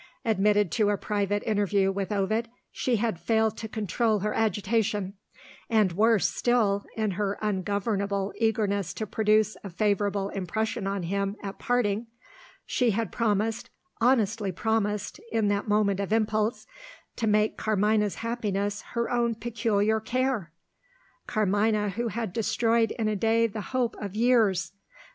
Admitted to a private interview with Ovid, she had failed to control her agitation; and, worse still, in her ungovernable eagerness to produce a favourable impression on him at parting, she had promised honestly promised, in that moment of impulse to make Carmina's happiness her own peculiar care! Carmina, who had destroyed in a day the hope of years!